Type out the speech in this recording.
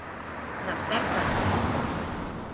Desperta't!